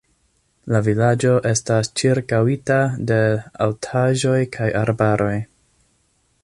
La vilaĝo estas ĉirkaŭita de altaĵoj kaj arbaroj.